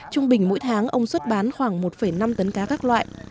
trung bình mỗi tháng ông xuất bán khoảng một năm tấn cá các loại